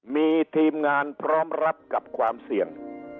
มีทีมงานพร้อมรับกับความเสี่ยง